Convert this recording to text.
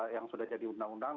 yang sudah jadi undang undang